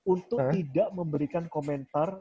untuk tidak memberikan komentar